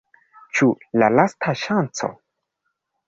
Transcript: Ĉu lasta ŝanco?